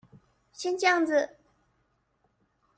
先醬子